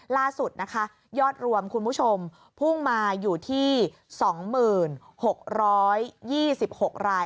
ล่าสุดนะคะยอดรวมคุณผู้ชมพุ่งมาอยู่ที่๒๖๒๖ราย